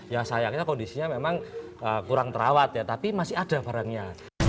ya sayangnya kondisinya memang kurang terawat ya tapi masih ada barangnya